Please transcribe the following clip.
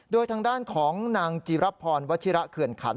โดยทางด้านของนางจีรพรวัชิระเขื่อนขัน